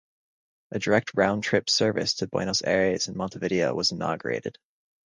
A direct round trip service to Buenos Aires and Montevideo was inaugurated.